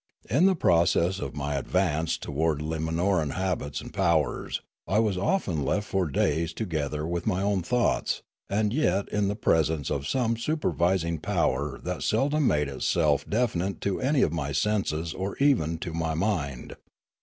In the process of my advance towards Limanoran habits and powers, I was often left for days together to my own thoughts, and yet in the presence of some supervising power that seldom made itself definite to any of my senses or even to my mind.